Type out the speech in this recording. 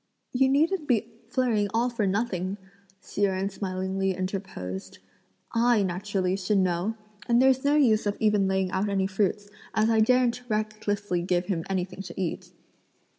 "You needn't be flurrying all for nothing," Hsi Jen smilingly interposed; "I, naturally, should know; and there's no use of even laying out any fruits, as I daren't recklessly give him anything to eat."